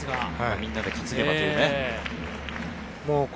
みんなで担げばというね。